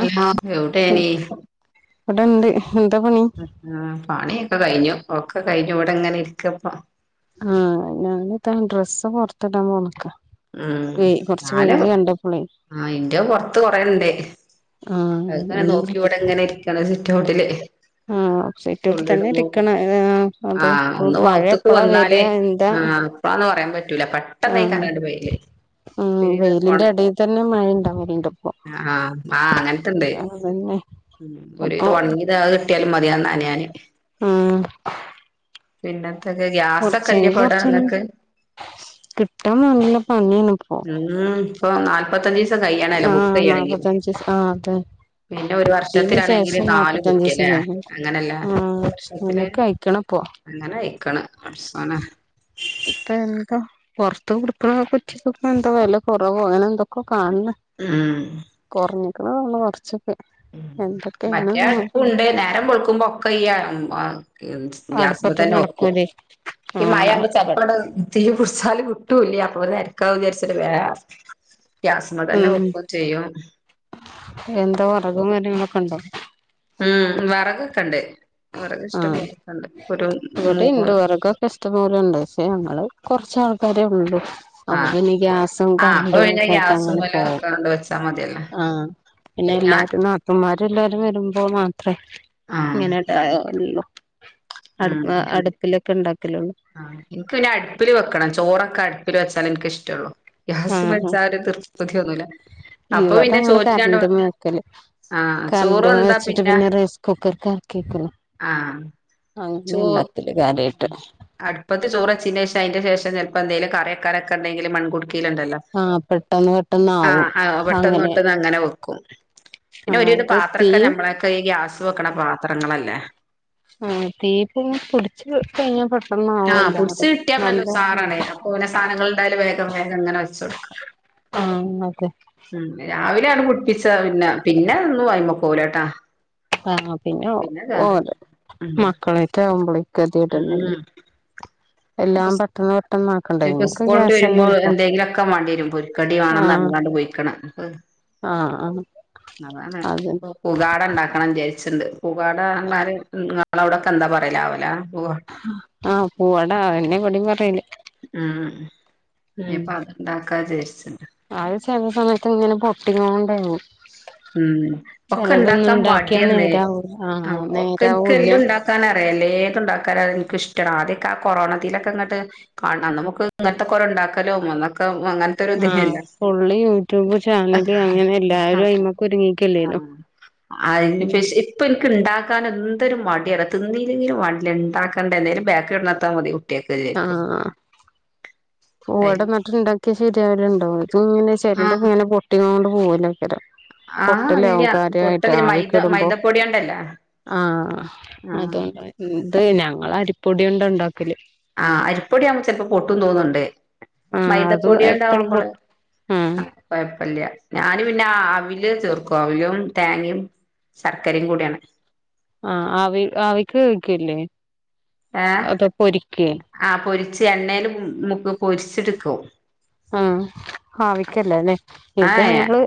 അല്ല ബൂട്ടേനി ഇവിടെണ്ട് എന്താ പണി ആഹ് പണിയൊക്കെ കഴിഞ്ഞു ഒക്കെ കഴിഞ്ഞു ഇവിടെ ഇങ്ങനെ ഇരിക്കപ്പ ആഹ് ഞൻതാ ഡ്രസ്സ് പൊറത്തിടാൻ പോണക്ക ഉം ഞാന്എന്റെ പൊറത്ത് കൊറയണ്ടേ ആഹ് അങ്ങനെ നോക്കി എന്താ ഇവിടെ എങ്ങനെ ഇരിക്കണ സിറ്റോട്ടില് ആഹ് സിറ്റൗട്ടിൽ തന്നെ തുള്ളിടുമ്പോ ഇരിക്കണ് ആഹ് അതെ ആഹ് ഒന്ന് മഴ വത്തക്ക് എപ്പളാ വന്നാലേ വരിക എന്താ ആഹ് വ ഇന്ന് പറയാൻ പറ്റൂല പെട്ടെന്ന് കണാണ്ട് ഉ വെയിലിന്റെ ഇടയിൽ തന്നെ മഴയുണ്ടാ വണ്ടപ്പോ ആഹ് ആഹ അങ്ങനത്ത ഇണ്ട് അപ്പൊ ഒരുവിതം ഉണങ്ങിത അത് കിട്ടിയാലും മതിയന്നഞാന് മ് പിന്നെന്തൊക്കെ ഗ്യാസൊക്കെല്ലെ കൊറച്ചെങ്കി കൊറച്ചൊന്നും പടെങ്ങക്ക് കിട്ടാൻ നല്ല പണിയാണ്പ്പോ ഉം ഇപ്പൊ നാല്പത്തഞ്ച് ദിവസം കയ്യണല്ലോ ബുക്ക് ആഹ് ചെയ്യണെങ്കിലിൽ നാപ്പത്തഞ്ച് ദിവസം ആഹ് അതെ പിന്നെ ഒരു ഇതിന് വർഷത്തിലാണെങ്കില് ശേഷം നാല നാപ്പത്തഞ്ച് ദിവസം കുറ്റില്ലേ കഴിഞ്ഞ് അങ്ങനല്ല ആഹ് വർഷത്തില് അങ്ങനെയൊക്കെ അയിക്കണിപ്പോ അങ്ങനെ വയിക്കണ് [inaudible] ഇപ്പ എന്താ പുറത്ത് കൊടുക്കണ കുറ്റിക്ക് എന്തോ വില കുറവ് അങ്ങനെ എന്തൊക്കെ കാണണ ഉം കുറഞ്ഞിക്കണ നമ്മള് കുറച്ച് ഉ മറ്റേ അടുപ്പുണ്ട് നേരം വെളുക്കുമ്പോ ഒക്കെ ഈ ഗ്യാസ്പ അടുപ്പത്ത് തന്നെ വെക്കും നടക്കൂലേ ഈ മഴവുമ്പ ആഹ് ചെപ്പട തീ കുടിച്ചാല് കിട്ടൂല്ലേ അപ്പൊ ഒ നിരക്കാ വിചാരിച്ചിട്ട വേറെ ഗ്യാസമ തന്നെ ഉം വെക്കയും ചെയ്യും എന്താ വറകും കാര്യങ്ങളൊക്കെ ഉണ്ടോ ഉം വറകൊക്കെ ഉണ്ട് വറക് ഇഷ്ടം ആഹ് പോലെക്കെണ്ട് ഒരു മൂന്ന് ഇഷ്ടംപലെ ഇണ്ട് പഷേ ഞങ്ങൾ കൊറച്ച് ആൾക്കാരെ ഒള്ളൂ അപ്പ ആഹ് പന്നെ ഗ്യാസും കരണ്ടും ഒക്കെ ആയിട്ട് അങ്ങനെ പോവും കൊണ്ട് വച്ചാൽ മതേലോ ആഹ പിന്നെ എല്ലാരും നാത്തൂമാര് എല്ലാരും വരുമ്പോ മാത്രേ ആഹ് ഇങ്ങനെടള്ളൂ അട് അടുപ്പിലൊക്കെ ഇണ്ടാക്കലൊള്ളൂ ആഹ ഇൻക്ക് പിന്നെ അടുപ്പില് വെക്കണം ചോറൊക്കെ അടുപ്പില് വെച്ചാലെ ഇൻക്ക് ഇഷ്ടൊള്ളു ഗ്യാസ്മ്മേ വെച്ചാ ഒരു തൃർപ്പതി ഒന്നുല്ല ഇവടെങ്ങള് കരന്റ്മ്മേ വെക്കല് ആഹ് ചോറ് കരന്റ് മ്മേ വെന്താ വെച്ചിട്ട് പിന്നെ റൈസ് കുക്കർക്ക് അറക്കിവെക്കും ആഹ അങ്ങനെ ഇണ്ടാക്കല് കാര്യായിട്ട് അടുപ്പത്ത് ചോറ് വെച്ചീന്റെ ശേഷം അയിന്റെ ശേഷം ചെലപ്പോ എന്തെലും കറിവെക്കാനൊക്കെണ്ടെങ്കിൽ മൺകുടുക്കീലുണ്ടല്ലോ ആ പെട്ടെന്ന് പെട്ടെന്ന് ആവും ആഹ് ആഹ് പെട്ടന്ന് അങ്ങനെ പെട്ടന്ന് അങ്ങനെ വെക്കും ആ പിന്നെ ഒരുവിതം ഇത് തീ പാത്രൊക്കെ നമ്മളൊക്കെ ഈ ഗ്യാസ് വെക്കണ പാത്രങ്ങളല്ലേ ഉം തീപ്പു [unintelligible] ആഹ് പുട്ച്ച് കിട്ടിയാ പിന്നെ നല്ല ഉസാറാണേ അപ്പോ പിന്നെ സാധനങ്ങൾ ഇണ്ടായാൽ വേഗം വേഗം ഇങ്ങനെ വെച് ച്ചോടുക്കാം ആഹ് അതെ ഉം രാവിലെ ഒന്ന്‌ മുട്ടിച്ചത പിന്ന പിന്നെ ഒന്നും അയ്മക്കൂല ട്ടാ ആഹ് പിന്നെ ഓലെ ഉം മക്കളെട്ട് ആകുമ്പോ ഉം [unintelligible] എല്ലാം പെട്ടെന്ന് പെട്ടെന്ന് ആ ഇനിപ്പോ സ്കൂൾ വിട്ട് വരുമ്പോ എന്തെങ്കിലുമൊക്കെ മാണ്ടി വരും പൊരിക്കടി വേണംന്ന് പറഞ്ഞ്ങ്ങാണ്ട് പോയിക്ക്ണ്‌ ആഹ് ആഹ് അതെ ഇപ്പൊ പുകാട ഉണ്ടാക്കണം വിചാരിച്ചിണ്ട് പുകാട പറഞ്ഞാൽ നിങ്ങളവിടൊക്കെ എന്താ പറയലാവല ആഹ് പൂവട അയന്നെ ഇവടെം പറയല് ഉം ഉം ഇനിപ്പ അത്ണ്ടാക്കാ വിചാരിച്ചിണ്ട് അത് ചെലെ സമയത്ത് ഇങ്ങനെ പൊട്ടിങ്ങോണ്ടെയ്നി ഉം ഒക്കെ ഇണ്ടാക്കാൻ മടിയന്നെ നേരാവൂ ആ ആഹ് ഒക്കെ ഇൻക് നേരാവൂല്ല എല്ലം ഇണ്ടാക് ക്കാനറിയാം എല്ലേത്തുണ്ടാക്കാൻ എനിക്ക് ഇഷ്ടാണ് ആദ്യൊക്കെ ആ കൊറോണതിലൊക്കെ ഇങ്ങട്ട് കാണാം നമുക്ക് ഇങ്ങനത്തൊക്കെ ഓരോ ഇണ്ടാക്കലും അന്നൊക്ക അങ്ങനെ ആഹ് ഫുള്ള് യൂട്യൂബ് ആഹ് ചാനല് അങ്ങനെ എല്ലാരും അയ്മക്ക് ഒരുങ്ങിക്കല്ലേ ആഹ് അയിന് ഫെഷി [unintelligible] ഇപ്പം ഇൻക്ക് ഇണ്ടാക്കാൻ എന്തൊരു മടിയ തിന്നില്ലെങ്കിലും വാണ്ടീല ഇണ്ടാക്കണ്ടേ എന്തോലും ബേക്കറി കൊടുന്നൊടുത്താൽ മതിയാവും [unintelligible] ആഹ് പൂവട ഇന്നട്ട് ഇണ്ടാക്കിയാ ശരിയാവല്ണ്ടോ ഇത് ഇങ്ങനെ ചെലത് ആഹ് ഇങ്ങനെ പൊട്ടിങ്ങാണ്ട് പോവലാക്കാരം ആഹ് പൊട്ടലാവും ഇല്ല കാര്യായിട്ട് പൊട്ടല് മൈദ ആവിക്കിടുമ്പോ മൈദപ്പൊടിയോണ്ടല്ലേ ആഹ് ആഹ് അതോണ്ട ഇത് ഞങ്ങൾ അരിപ്പൊടിയൊണ്ടാ ഇണ്ടാക്കല് ആഹ് അരിപ്പൊടിയാകുമ്പോ ചെലപ്പോ പൊട്ടും തോന്നുണ്ട് ആഹ് അത് എപ്പഴും പൊ മൈദപ്പൊടിയൊണ്ടാവുമ്പള് ആഹ് കൊഴപ്പല്യ ഞാന് പിന്നെ അവില് ചേർക്കും അവിലും തേങ്ങയും ശർക്കരയും കൂടിയാണ് ആഹ് ആവി ആവിക്ക് വേവിക്കൂല്ലേ ഏഹ് അതൊ പൊരിക്ക ആഹ് പൊരിച്ച് എണ്ണേൽ മുക്ക് പൊരിച്ചെട്ക്കും ഉം ആവിക്കല്ലെ ലെ ഇത് ഏഹ് ഞങ്ങള്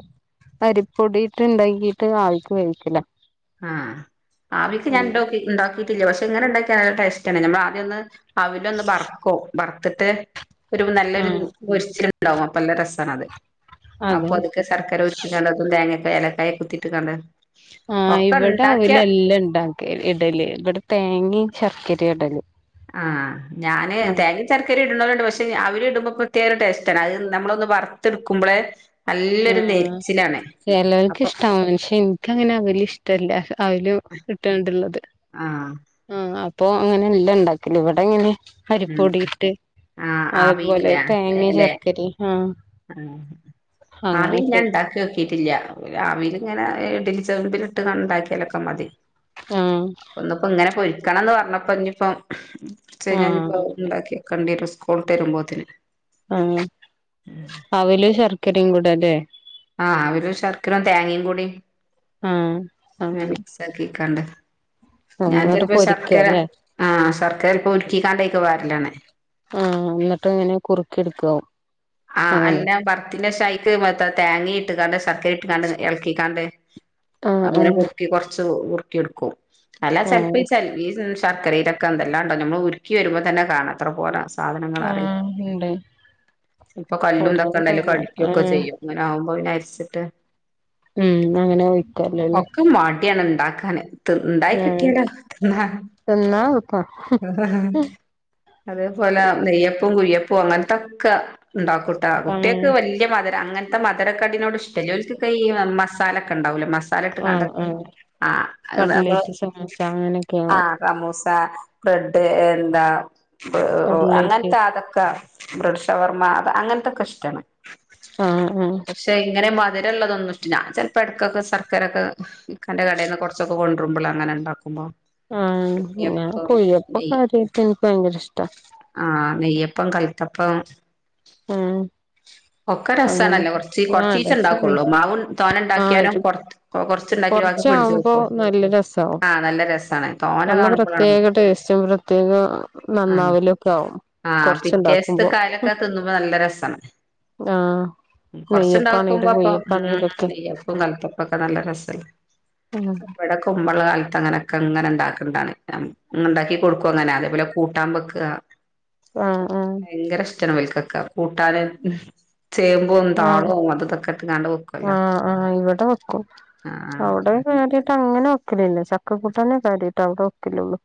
അരിപ്പൊടീട്ട് ഇണ്ടാക്കിട്ട് ആവിക്ക് വേവിക്കല ഉം ആവിക്ക് ഞാൻണ്ടോ ഇണ്ടാക്കിയിട്ടില്ല പക്ഷേ ഇങ്ങനെ ഇണ്ടാക്കിയ നല്ല ടേസ്റ്റ് ആണ് ഞമ്മൾ ആദ്യം ഒന്ന് അവിലൊന്ന് വറുക്കും വറുത്തിട്ട് ഒരു നല്ലൊരു ആഹ് പൊരിച്ചിട്ടുണ്ടാവും അപ്പ നല്ല രസാണ് അത് അതെ അപ്പത് ക്കെ ശർക്കര ഉരുക്കിങ്ങാണ്ട് അ [unintelligible] തേങ്ങ ഏലക്കായ് കുത്തിയിട്ട് കാണ്ട് ആഹ് ഇവ്ടെ അവലല്ല ഇണ്ടാക്ക ഇടല് ഇവ്ടെ തേങ്ങിം ശർക്കര ഇടല് ആഹ് ഞാന് ആഹ് തേങ്ങ ചർക്കര ഇടുന്നോല്ണ്ട് പക്ഷെ അവര് ഇടുമ്പോ പ്രേത്യേകടേസ്റ്റാണ് അത് നമ്മളൊന്ന് വർത്തെടുക്കുമ്പളെ ആഹ് ചെലോർക്ക് അപ്പൊ ഇഷ്ട്ടാ ക്ഷേ ഇൻ ക്ക് അങ്ങനെ അവല് ഇഷ്ട്ടല്ല അവല് ഇട്ടാണ്ട് ഇള്ളത് ആഹ് ആഹ് അപ്പൊ അങ്ങനെല്ല ഇണ്ടാക്കല് ഇവട ഇങ്ങനെ ഉം അരിപ്പൊടിയിട്ട് ആഹ് അത് പോലെ ആവിലില്ലേ തേങ്ങിം അല്ലെ ശർക്കരേം ആഹ് ആഹ് ആവി അങ്ങനെയൊക്കെ ഞാൻ ഇണ്ടാക്കി നോക്കിട്ടില്ല രാവിലെ ഇങ്ങനെ ഇഡലി ചെമ്പ്ലിട്ട് കാണ്ട് ഇടാക്കിലൊക്കെ മതി ആഹ് ഇപ്പ ഇങ്ങനെ പൊരിക്കണം പറഞ്ഞപ്പ ഇഞ്ഞ് ഇപ്പം ഇപ്പം ആഹ് ഇണ്ടാക്കിക്കെണ്ടിരും സ്കൂൾട്ട് രുമ്പോത്തിന് ആഹ് അവലും ശർക്കരികുടെ ല്ലേ ആഹ് അവല് ശർക്കര തേങ്ങികൂടി ആഹ് ന അങ്ങനെ മിക്സാ ആക്കി കാണ്ട് ആഹ് ഞാൻ എന്നിട്ട് ചെല്പ്പം പൊരിക്ക ശർക്കര അല്ലേ ആഹ് ശർക്കര [unintelligible] പ്പോ ഒരുക്കിക്കാണ്ട് അയ്ക്ക് പാരലാണ് ആഹ് എന്നട്ട് എങ്ങനെ കുറുക്കി എടുക്കാവും ആഹ് അങ്ങനെ അന്റെ വർത്തിന്റെഷൈറ്റ് എത്താ തേങ്ങി ഇട്ട്ക്കാണ്ട് ശർക്കര ഇട്ടക്കാണ്ട് എള്ക്കിക്കാണ്ട് ആഹ് അങ്ങനെ ആഹ് കുർക്കി കൊർച് ഉറ്ക്കി വെക്കും അല്ല ചെല്പ്പാ ആഹ് [unintelligible] ഈ ശർക്കരയിടെ എന്തെല്ലാണ്ട് നമ്മള് ഉരുക്കി വരുമ്പോ തന്നെ കാണാം എത്ര പോരാ സാധനങ്ങളാ അറി ഇണ്ട് ഇപ്പൊ കല്ലും തക്കണ്ടാല്ലോ കടിക്കുക്കെ ആഹ് ചെയ്യും ഇങ്ങനെ ആവു മ്പോ ന്ന അരിച്ചിട്ട് ഉം അങ്ങനെ ഒഴിക്കല്ലോല്ലേ ഒക്കെ മാടിയാണ് ഇണ്ടാക്കാന് ത് ഇണ്ടായി ആഹ് കിട്ടിയാലോ തിന്നാ തിന്നാ എള്പ്പാ അതെ പോലെ നെയ്യപ്പും കുയ്യ പോന്നത്തക്കെ ഉണ്ടാക്കുട്ടാ ആഹ് കുട്ടിയെക്ക് വെല് ഇ മധര അങ്ങനത്തെ മധരക്കടിനോട് ഇഷ്ട്ടല്ല ഒരിക്കക്കെ ഈ മസാലക്കെ ഉണ്ടാവുലോ മസ് സ്ഥലട്ട് ആഹ് കണ്ടക്ക ആഹ് ആഹ് കട്ലേറ്റ് സമൂസ [unintelligible] അങ്ങനെയൊക്കെ ആവും ആഹ് സമൂസ ബ്രെഡ് എന്താ കട്ലേറ്റ് അങ്ങേത്ത അതൊക്കെ ബ്രഡ്ഷവർമ്മ അങ്ങനെത്തൊക്കെ ഇഷ്ട്ടാണ് ആഹ് ആഹ് ക്ഷെ ഇങ്ങനെ മധുര ഉള്ളൊതൊന്നു ഇ ഞാ ചെലപ്പോ ക്കൊക്കെ സർക്കാരൊക്കെ ഇക്കന്റെ കടേന്ന് കൊറ്ച്ചൊക്കെ കൊണ്ട കുമ്പളെ അങ്ങനെണ്ടാക്കുമ്പോ ആഹ് കുഴിയപ്പ നെയ് കാര്യയിട്ട് ഇന്ക്ക് ഭയങ്കര ഇഷ്ട്ടാ ആഹ് നെയ്യപ്പം കല്ത്തപ്പം ഉം ഒക്കെ രസാണല്ലോ കൊറ്ച്ച് ആഹ് കൊറ്ചീച്ച രസാണ് ഇണ്ടാക്കുള്ളൂ മാവ് തോന ഇണ്ടാക്കിയാലും കൊ കൊറ് കൊറ്ച്ചാകുമ്പോ നല്ല രസാവു ആഹ് നല്ല രസാണ് തോനെ അന്ന് കാണുമ്പളാണ് നമുക്ക് പ്രത്യേക ടേസ്റ്റും പ്രത്യേക ആഹ് നന്നാവലോ ഒക്കെ ആകും ആഹ് പിറ്റേസത്തെ കാലൊക്കെ തിന്നു നല്ല രസാണ് ആഹ് കൊറച്ചുണ്ടാക്കുമ്പോ നെയ്യപ്പാണെലും അപ്പ [unintelligible] കുയ്യപ്പാണെലൊക്കെ നെയ്യപ്പോ കല്ത്തപ്പക്കെ നല്ല രസ്സായ് ഉം ഇവടെ കുമ്പള്ള [unintelligible] അങ്ങനെയൊക്കെ ഇങ്ങനെ ഇണ്ടാക്കണ്ടാണ് ഇണ്ടാക്കി കൊടുക്കും അങ്ങനെ അതേപോലെ കൂട്ടാൻ ബെക്കാ ആഹ് ആഹ് ഭയങ്കര ഇഷ്ട്ടാണ് വൽക്കോക്കെ കൂട്ടാന് ചേമ്പും ആഹ് താളും അതൊക്കെട്ട് കാണ്ട് ആഹ് ആഹ് ഇവിടെ വെക്കും ആഹ് അവ്ടെ കാര്യയിട്ട് അങ്ങനെ വെക്കലില്ല ചക്കകുട്ടാന്നെ കാര്യായിട്ട് അവ്ടെ വെക്കലൊള്ളൂ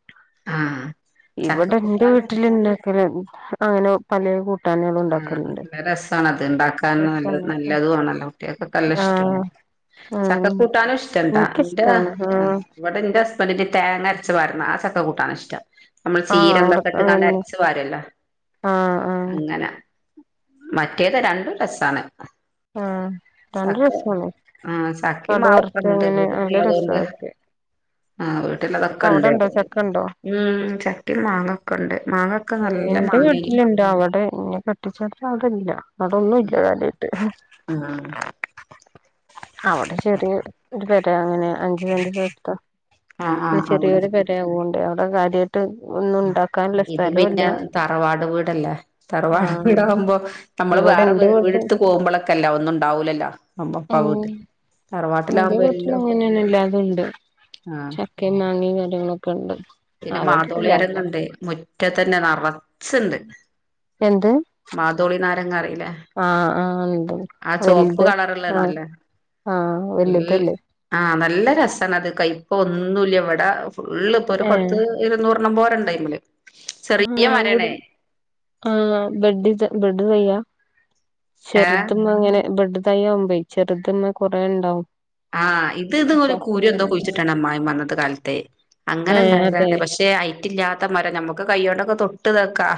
ആഹ് ഇവിടെ ഇൻ്റെ ചക്കക്കൂട്ടാനും വീട്ടില് ഇണ്ടാക്കല് അങ്ങനെ പലേ കൂട്ടാനുകളും ആഹ് ഉണ്ടാക്കലുണ്ട് നല്ല രസാണ് അത് ഇണ്ടാക്കാന് നല്ല രസാണ് നല്ലതും ആണല്ലോ കുട്ടേൾക്കൊക്കെ നല്ല ആഹ് ഇഷ്ടാണ്ചക്ക ആഹ് കൂട്ടാനും ഇഷ്ടണ്ട് ഇന്റെ എനിക്കിഷ്ടാണ് നാതു ആഹ് ഇവിടെ ഇന്റെ ഇ പൊ തി തേങ്ങ അരച്ച്പാർന്ന ആ ചക്ക കൂട്ടാന് ഇഷ്ടം നമ്മള് ആഹ് ചീരന്തൊക്കെ അവിടത്തെ ഇട്ട്ക്കാണ്ട് അരച്ചു പാരൊല്ലോ ആഹ് ആഹ് അങ്ങനെ മറ്റേത് രണ്ടും രസ്സാണ് ആഹ് രണ്ടും രസാണ് ആഹ് ചക്കിം കടു മാവും ഒക്കെ വറുത്ത് ഇണ്ട് അങ്ങനെ വീട്ടിക്ക് നല്ല ഇള്ളതോണ്ട് രസാക്കി ആഹ് വീട്ടില് അതൊക്കെ ഇണ്ട് അവിടെണ്ടോ അതോണ്ട് ചക്കണ്ടോ ഉം ചക്കിം മാങ്ങൊക്കെ ഇണ്ട് മാങ്ങ എന്റെ വീട്ടില്ണ്ട് അവടെ ഇന്നെ കെട്ടിച്ചോട്ത്ത് അവിടെ ഇല്ല അവിടൊന്നും ഇല്ല കാര്യായിട്ട് ആഹ് അവടെ ചെറിയ ഒരു പെര അങ്ങനെ അഞ്ച് സെന്റ് സ്ഥലത്ത് ആഹ് ആഹ് അവിടെ ചെറിയൊരു പെര യിവോണ്ട് അവടെ കാര്യാ ഇത് പിന്നെ തറവാട് വീടല്ലേ തറവാട് ആഹ് വീട് ആവുമ്പോ നമ്മള് ഇവിടെ വേറെ എന്റെ വീട് വീട്ട് ഇട്ത്ത് പോവുമ്പളൊക്കെ അല്ലെ ഒന്നും ഉണ്ടാവൂലല്ലോ അപ്പക്ക വീട്ടിൽ ഇന്റെ വീട്ടില് തറവാട്ടിലാവുമ്പോല്ലോ അങ്ങനേണ് എല്ലാതും ഇണ്ട് ആഹ് ചക്കയും മാങ്ങയും കാര്യങ്ങളൊക്കെ ഉണ്ട് അവ്ടെ തോളിയാരങ്ങണ്ട് മുറ്റത്തന്നെ നറച്ച്ണ്ട് എന്ത് മാതോളി നാരങ്ങ അറിയില്ലേ ആഹ് ആഹ് ഇണ്ട് ആ ചോപ്പ് വൽത് ആഹ് കളറ്ള്ളണ്ടല്ലോ ആഹ് നല്ല വല്തല്ലേ ആഹ് നല്ല രസാണ് അത് കൈപ്പൊന്നുല്ല ഇവിടെ ഫുള്ള് ഇപ്പൊ ഒരു ഏഹ് പത്ത് ഇരുന്നൂറ് ണ്ണം പോരണ്ട് അയ്മല് ആഹ് ഇവ്ടെ ആഹ് ബെഡ്ഡിത ബെഡ്ഡ് തയ്യാ ഏഹ് ചെറുത് മ്മെ ഇങ്ങനെ ബെഡ്ഡ് തയ്യാവുമ്പെ ചെറുത് മ്മെ കൊറേ ഇണ്ടാവും ആഹ് ഇത് ഇത് ഒരു ചക്കിം കൂരു എന്തോ ഇങ്ങനെ കുഴിച്ചിട്ടാണ് അമ്മായിമ്മ അന്നത്തെ കാലത്തെയ അങ്ങനെ ഏഹ് അതെ ഇണ്ടായതാണ് പക്ഷെ രേ ഹൈറ്റില്ലാത്ത മരം നമ്മക്ക് കയ്യോണ്ടൊക്കെ തൊട്ട്താക്കാ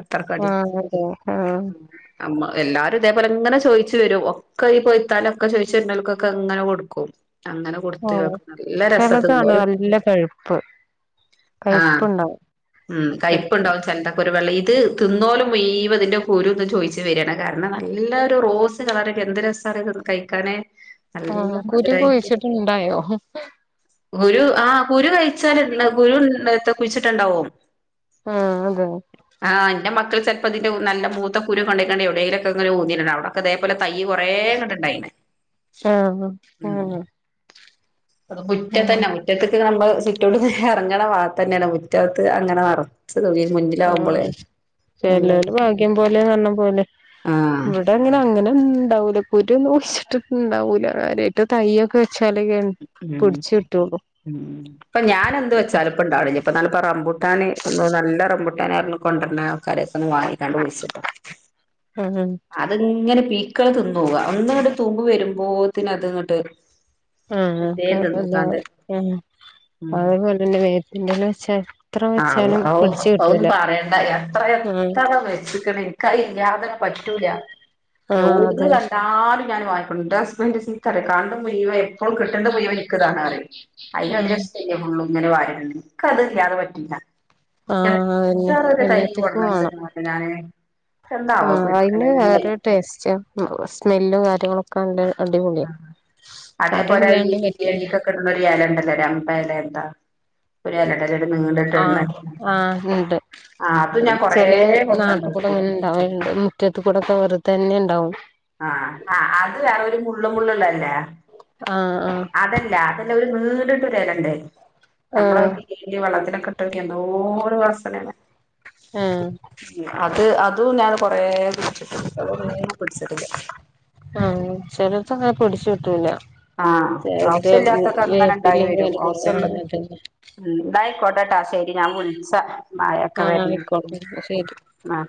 അത്രക്ക് അടി ആഹ് അതെ ആഹ് ഉം അമ്മ എല്ലാരും ഇതേപോലെ ഇങ്ങനെ ചൊയിച്ച് വരും ഒക്കെ ഈ പൊയ്ത്താല് ഒക്കെ ചൊയിച്ച് വരുന്നോൽക്കൊക്കെ ഇങ്ങനെ കൊട് ക്കും അങ്ങനെ ആഹ് കൊടുത്ത്താക്കും നല്ല രസാ ചെലതാണ് തിന്നോല് നല്ല പഴുപ്പ് ആഹ് കയ്പ്പുണ്ടാവും ഉം കയ്പ്പ് ചെലത് ഉണ്ടാവും ചെലത ഒരുവെള്ളീത് തിന്നോല് മുയ്വം ഇതിന്റെ കുരു ഇത് ചോയ്ച്ച് വരാണ് കാരണം നല്ലൊരു റോസ് കളർ എന്ത് രസ് [unintelligible] കഴിക്കാന് നല്ല ആഹ് കുരു മധുരായിട്ട് കുഴിച്ചിട്ട് ഇണ്ടായോ കുരു ആഹ് കുരു കഴിച്ചാല് ഇട്ണ് കുരു [unintelligible] കുഴിച്ചിട്ടാ ഇണ്ടാവും ആഹ് അതെ ആഹ് ഇന്റെ മക്കൾ ചെലപ്പോ ഇതിന്റെ നല്ല മൂത്ത കുരു കൊണ്ടയ്ക്കാണ്ട് എവിടേങ്കിലൊക്കെ ഇങ്ങനെ ഊതി ഇട്ണാണ ഒക്കെ ഇതേപോലെ തയ്യ് കൊറേ ഇങ്ങ്ട്ട് ഇണ്ടായ്ണ് [unintelligible] ഉം അത് മുറ്റത്തന്നെ മുറ്റത്ത്ക്ക് നമ്മള് സിറ്റൗട്ട്ന്ന് എറങ്ങ്ണ ഭാഗത്തെന്നേണ് മുറ്റത്ത് അങ്ങനെ നറ ആഹ് നല്ല ചെലോലെ ഭാഗ്യം പോലേന്ന് പറഞ്ഞപോലെ ആഹ് ഇവിടെ അങ്ങനെ അങ്ങനെ ഉണ്ടാവൂല കുരു ഒന്നും കുഴിച്ചിട്ട് ഇണ്ടാവൂല കാര്യായിട്ട് തയ്യൊക്കെ വെച്ചാലക്കേണ് ഉം പിടിച്ച് കിട്ടൊള്ളു ഇപ്പണ്ടാവ്ണ്ല്ല ഇപ്പൊന്നാള്പ്പൊ റംബുട്ടാൻ നല്ല റംബുട്ടാന് പറഞ്ഞ് കൊണ്ടര്ണ ആൾക്കാരെ എര്ത്ത്ന്ന് വങ്ങിക്കാണ്ട് കുഴിച്ചിട്ട ഉം ഉം അത്ങ്ങനെ പീക്കള് തിന്നു പോവ ഒന്ന് ഇങ്ങ്ട്ട് തൂമ്പ് വരുമ്പോത്തിന് അത് ഇങ്ങട്ട് ആഹ് ക്കെ വെറുതേം നല്ല തിന്ന്ക്കാണ്ട് ആഹ് ഉം അതേപോലെന്നെ വേപ്പിന്റെ എല വെച്ചാ എത്ര വെച്ചാലും പിടിച്ചു കിട്ടൂല ആഹ് എത്രയത്ര വെച്ച്ക്ക്ണ് ഇക് അയില്ലാത പറ്റൂല ആഹ് യഹുട്ന്ന് അതെ കണ്ടാലും ഞാൻ വാങ്ങിക്കൊണ്ട [unintelligible] മുഴുവ എപ്പളും കിട്ടേണ്ട മുഴുവം ഇന്ക്ക് താണ് പറിം അയിന് വലിയ ആഹ് ഇഷ്ട ഫുള്ളും ഇങ്ങനെ വാരിട്ണ ഇന്ക്കത് ഇലാതെ പറ്റില്ല അതന്നെ എത്ര എല്ലാത്തിക്കും വേണം [unintelligible] ഞാന് എന്താവോ ഫ്രീ പിനെ വേറെ ടേസ്റ്റ് സ്മെല്ലും കാര്യങ്ങളൊ കണ്ട അടിപൊളിയ അതല്ലാണ്ട് പറ്റൂല്ല ഇന്നൊ ഒരുയാല ഉണ്ടല്ലോ ര അമ്പല്ല എന്താ [unintelligible] നീണ്ട്ട്ട് ഒന്ന് ആഹ് ആഹ് ഉണ്ട് ആഹ് അത് ഞാൻ കൊറെ കൊടുക്കാൻ നോക്കി അഹ്ണ്ട് മുറ്റത്ത് കൂടെക്കെ വെറുതെന്നെ ഇണ്ടാവും ആഹ് ആഹ് അത് വേറെ ഒരു മുള്ള് മുള്ളുള്ളല്ലേ ആഹ് അതല്ല അത് ഒരു നീണ്ട്ട്ട് ഒര് എല്ലണ്ട് നമ്മള ആഹ് [unintelligible] ഈ വെള്ളത്തിലോക്കെ ഇട്ടോക്യാ എന്തൊര് വസനെണ് ഉം അത് അതും ഞാൻ കൊറെ പിടിച്ചിട്ട് അഹോന്നും പിടിച്ചിട്ടില്ല ആഹ് ചെലോല്ക്ക് അങ്ങനെ പിടിച്ച് കിട്ടൂല ആഹ് അഹുസ്യ ഇല്ലാത്തൊക്കെ അങ്ങനെ ഉണ്ടായി വേപ്പില വരും അഹുസ്യ ആഹ് ഇള്ളത് അതന്നെ ഉം ന്നയിക്കോട്ടെട്ടാ ശെരി ഞാൻ വുള്ച്ച മാഴ ഒക്കെ ആഹ് വര്ണ് ആയിക്കോട്ടെ ശരി ണ്ട് ആഹ്